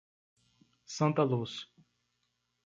Santaluz